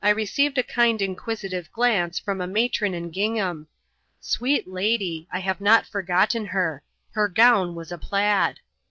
received a kind inquisitive glance from a matron in gingbam. Sweet lady ! I have not forgotten her : her gown was a plaid.